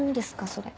それ。